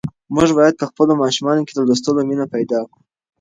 موږ باید په خپلو ماشومانو کې د لوستلو مینه پیدا کړو.